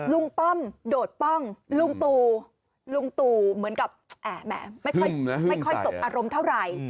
ลุงป้อมโดดป้องลุงตูเหมือนกับแอ่แหมไม่ค่อยสมอารมณ์เท่าไหร่